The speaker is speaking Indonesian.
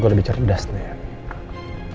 gue lebih cerdas dan